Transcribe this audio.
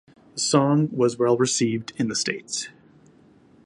The song was well-received in the states.